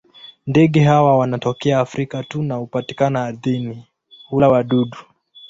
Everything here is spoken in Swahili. Ndege hawa wanatokea Afrika tu na hupatikana ardhini; hula wadudu.